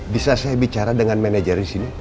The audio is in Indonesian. bisa saya bicara dengan manajer disini